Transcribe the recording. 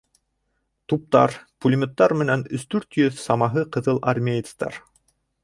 Туптар, пулеметтар менән өс-дүрт йөҙ самаһы ҡыҙыл армеецтар.